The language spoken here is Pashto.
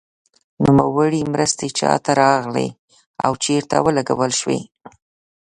نوموړې مرستې چا ته راغلې او چیرته ولګول شوې.